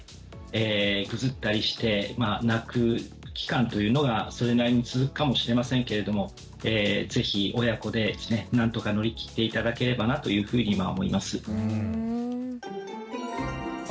ぐずったりしてまあ泣く期間というのがそれなりに続くかもしれませんけれども是非親子でですね何とか乗り切って頂ければなというふうに思います。